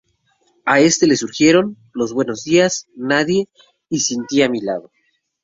A este lo siguieron "Los buenos días", "Nadie" y "Sin ti a mi lado".